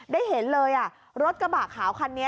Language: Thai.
ได้เห็นเลยรถกระบะขาวคันนี้